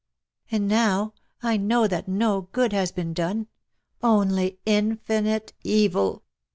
And now I know that no good has been done — only infinite evil.'